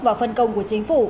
và phân công của chính phủ